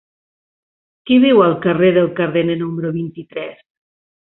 Qui viu al carrer del Cardener número vuitanta-tres?